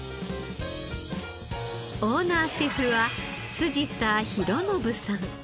オーナーシェフは辻田啓伸さん。